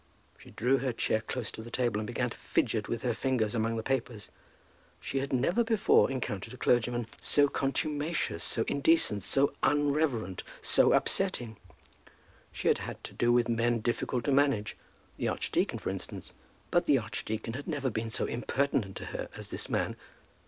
She drew her chair close to the table, and began to fidget with her fingers among the papers. She had never before encountered a clergyman so contumacious, so indecent, so unreverend, so upsetting. She had had to do with men difficult to manage; the archdeacon for instance; but the archdeacon had never been so impertinent to her as this man.